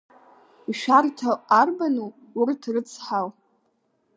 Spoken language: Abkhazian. Ишәарҭоу арбану, урҭ рыцҳау?!